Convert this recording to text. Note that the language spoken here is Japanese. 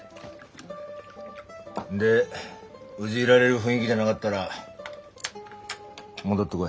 でうぢいられる雰囲気じゃながったら戻ってこい。